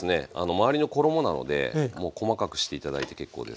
周りの衣なのでもう細かくして頂いて結構です。